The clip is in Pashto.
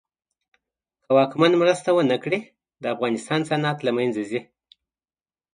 که واکمن مرسته ونه کړي د افغانستان صنعت له منځ ځي.